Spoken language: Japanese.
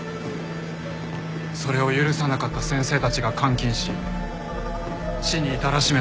それを許さなかった先生たちが監禁し死に至らしめたようです。